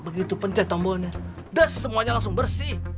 begitu pencet tombolnya das semuanya langsung bersih